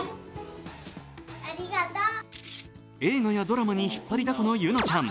映画やドラマに引っ張りだこの柚乃ちゃん。